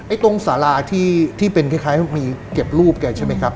ตรงสาราที่เป็นคล้ายมีเก็บรูปแกใช่ไหมครับ